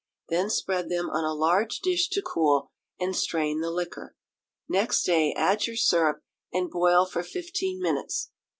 Then spread them on a large dish to cool, and strain the liquor. Next day add your syrup, and boil for fifteen minutes.